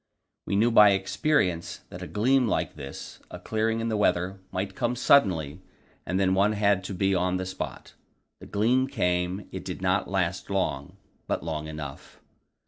We knew by experience that a gleam like this, a clearing in the weather, might come suddenly, and then one had to be on the spot. The gleam came; it did not last long, but long enough.